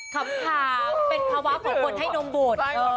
คำถามเป็นภาวะผลผลให้นมบุตร